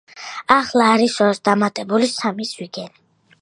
ახლა არის ორს დამატებული სამი ზვიგენი.